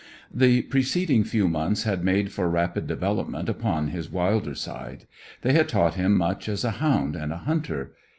The preceding few months had made for rapid development upon his wilder side; they had taught him much as a hound and a hunter.